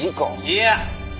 いや！